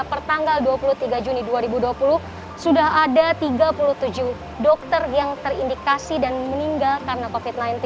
pertanggal dua puluh tiga juni dua ribu dua puluh sudah ada tiga puluh tujuh dokter yang terindikasi dan meninggal karena covid sembilan belas